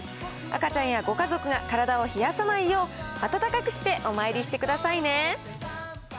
赤ちゃんやご家族が体を冷やさないよう、暖かくしてお参りしてくださいね。